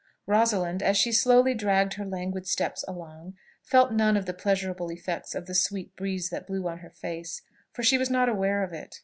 Rosalind, as she slowly dragged her languid steps along, felt none of the pleasurable effects of the sweet breeze that blew in her face, for she was not aware of it.